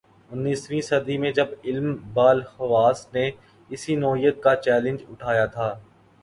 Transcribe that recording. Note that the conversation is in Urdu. انیسویں صدی میں جب علم بالحواس نے اسی نوعیت کا چیلنج اٹھایا تھا۔